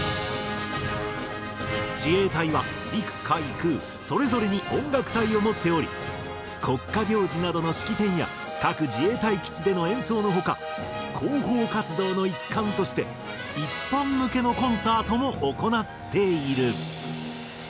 自衛隊は陸海空それぞれに音楽隊を持っており国家行事などの式典や各自衛隊基地での演奏の他広報活動の一環として一般向けのコンサートも行っている。